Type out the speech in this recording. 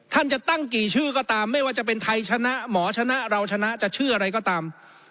ท่านจะตั้งกี่ชื่อก็ตามไม่ว่าจะเป็นไทยชนะหมอชนะเราชนะจะชื่ออะไรก็ตาม